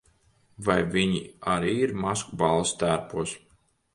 Vai viņi arī ir maskuballes tērpos?